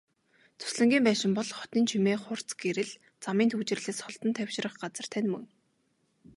Зуслангийн байшин бол хотын чимээ, хурц гэрэл, замын түгжрэлээс холдон тайвшрах газар тань юм.